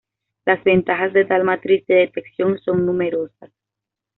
Las ventajas de tal matriz de detección son numerosas.